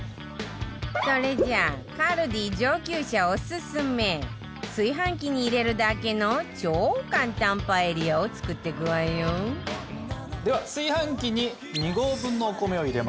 それじゃ ＫＡＬＤＩ 上級者オススメ炊飯器に入れるだけの超簡単パエリアを作ってくわよでは炊飯器に２合分のお米を入れます。